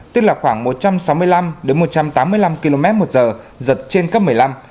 tức là khoảng một trăm sáu mươi năm một trăm tám mươi năm km một giờ giật trên cấp một mươi năm